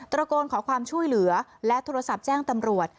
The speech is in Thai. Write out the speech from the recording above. ระโกนขอความช่วยเหลือและโทรศัพท์แจ้งตำรวจ